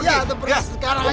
iya harus pergi